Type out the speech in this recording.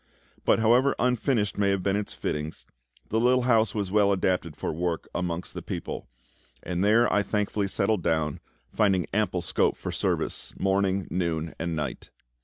But however unfinished may have been its fittings, the little house was well adapted for work amongst the people; and there I thankfully settled down, finding ample scope for service, morning, noon, and night.